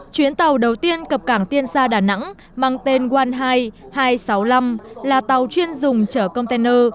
chuyến tàu đầu tiên cập cảng tiên sa đà nẵng bằng tên one high hai trăm sáu mươi năm là tàu chuyên dùng trở container